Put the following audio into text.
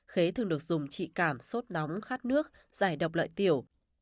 khế thường được dùng trị cảm sốt nóng khát nước giải độc lợi tiểu